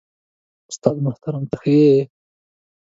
استاد محترم ته ښه يې؟